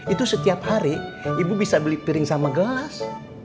itu setiap hari ibu bisa beli piring sama gelas